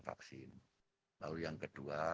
vaksin lalu yang kedua